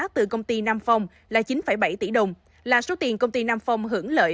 từ công ty nam phong là chín bảy tỷ đồng là số tiền công ty nam phong hưởng lợi